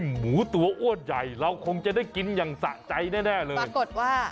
หมูตัวอ้วนใหญ่เราคงจะได้กินอย่างสะใจแน่แน่เลยปรากฏว่า